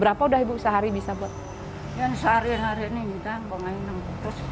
berapa udah ibu sehari bisa buat yang sehari hari ini kita mengalir